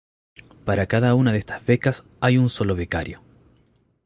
Para cada una de estas becas hay un solo becario.